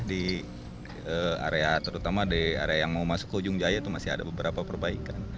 di area terutama di area yang mau masuk ke ujung jaya itu masih ada beberapa perbaikan